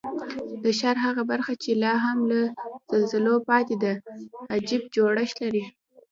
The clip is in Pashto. د ښار هغه برخه چې لا هم له زلزلو پاتې ده، عجیب جوړښت لري.